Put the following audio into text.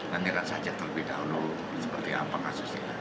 nanti akan saya ajak terlebih dahulu seperti apa kasusnya